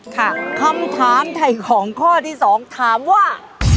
คำถามไถ่ของข้อที่๒ถามว่า